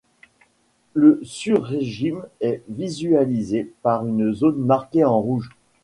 Le sur-régime est visualisé par une zone marquée en rouge.